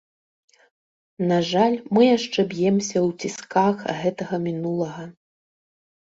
На жаль, мы яшчэ б'емся ў цісках гэтага мінулага.